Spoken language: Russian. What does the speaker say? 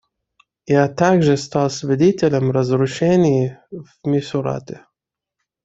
Я также стал свидетелем разрушений в Мисурате.